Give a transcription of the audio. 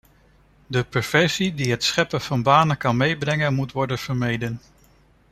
De perversies die het scheppen van banen kan meebrengen moeten worden vermeden.